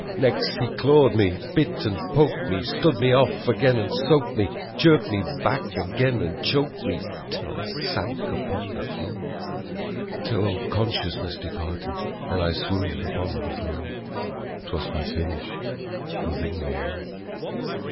Next he clawed me, bit and poked me, stood me off again and soaked me, Jerked me back again and choked me, till I sank upon the floor. Till all consciousness departed and I swooned upon the floor. 'Twas my finish, nothing more.